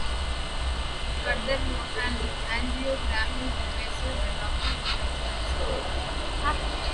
Furthermore, an angiogram is invasive and, often, more expensive.